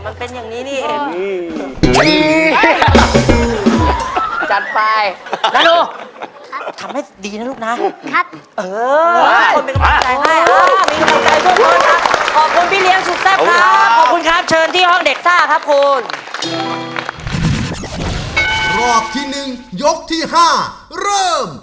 รอบที่๑ยกที่๕เริ่ม